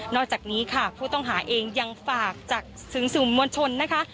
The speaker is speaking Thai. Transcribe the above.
อกจากนี้ค่ะผู้ต้องหาเองยังฝากจากสื่อมวลชนนะคะ